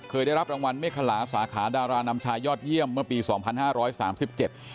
เคยได้รับรางวัลเมฆขลาสาขาดารานำชายยอดเยี่ยมเมื่อปีสองพันห้าร้อยสามสิบเจ็ด